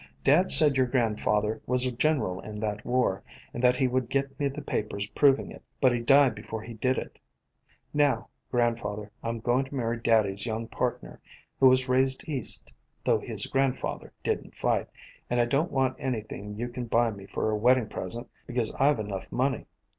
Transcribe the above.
Dad said your grandfather was a general in that war, and that he would get me the papers proving it, but he died be fore he did it. Now, grandfather, I 'm going to marry daddy's young partner, who was raised east, though his grandfather did n't fight, and I don't want anything you can buy me for a wedding present, because I 've enough money.